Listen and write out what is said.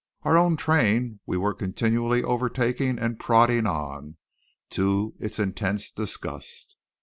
Our own train we were continually overtaking and prodding on, to its intense disgust.